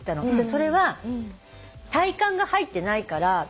それは体幹が入ってないから。